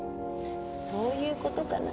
そういう事かな。